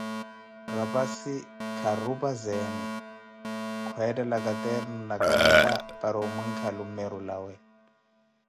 Rapassi kharupazeni khweethela caternu na kaneta para watikavo lummeru lawe.